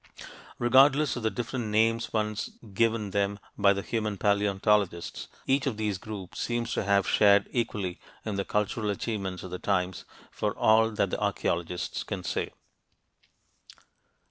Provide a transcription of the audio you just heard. Regardless of the different names once given them by the human paleontologists, each of these groups seems to have shared equally in the cultural achievements of the times, for all that the archeologists can say.